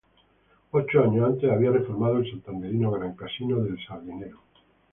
Ocho años antes había reformado el santanderino Gran Casino de El Sardinero.